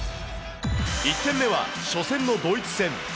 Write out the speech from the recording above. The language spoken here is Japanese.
１点目は初戦のドイツ戦。